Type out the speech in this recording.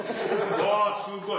うわすごい！